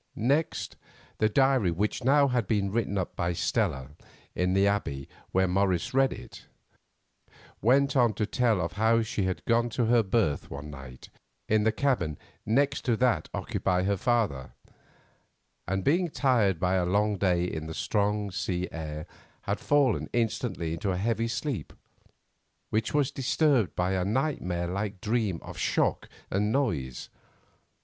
Next, the diary which now had been written up by Stella in the Abbey where Morris read it, went on to tell of how she had gone to her berth one night in the cabin next to that occupied by her father, and being tired by a long day in the strong sea air had fallen instantly into a heavy sleep, which was disturbed by a nightmare like dream of shock and noise.